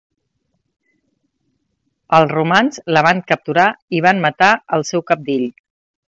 Els romans la van capturar i van matar el seu cabdill.